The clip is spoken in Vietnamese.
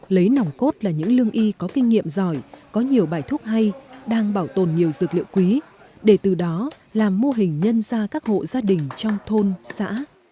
lấy nòng cốt là những lương y có kinh nghiệm giỏi có nhiều bài thuốc hay đang bảo tồn nhiều dược liệu quý để từ đó làm mô hình nhân ra các hộ gia đình trong thôn xã